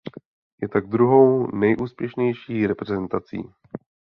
Je tak druhou nejúspěšnější reprezentací.